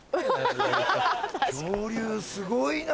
恐竜すごいな。